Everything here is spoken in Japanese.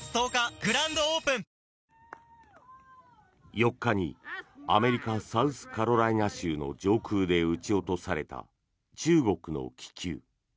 ４日にアメリカ・サウスカロライナ州の上空で撃ち落とされた中国の気球。